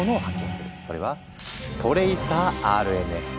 それは「トレイサーＲＮＡ」。